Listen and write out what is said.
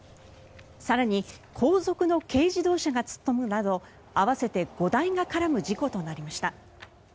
更に後続の軽自動車が突っ込むなど合わせて５台が絡む事故となりました。